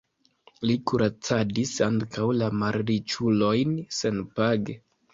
Li kuracadis ankaŭ la malriĉulojn senpage.